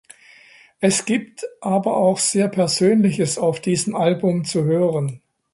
Es gibt aber auch sehr Persönliches auf diesem Album zu hören.